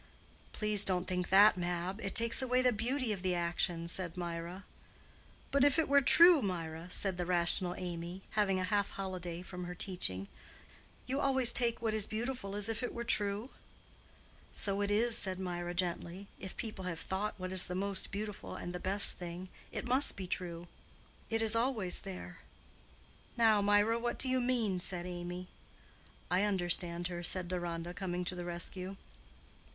"Please don't think that, Mab; it takes away the beauty of the action," said Mirah. "But if it were true, Mirah?" said the rational Amy, having a half holiday from her teaching; "you always take what is beautiful as if it were true." "So it is," said Mirah, gently. "If people have thought what is the most beautiful and the best thing, it must be true. It is always there." "Now, Mirah, what do you mean?" said Amy. "I understand her," said Deronda, coming to the rescue.